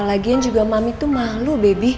lagian juga mami tuh malu baby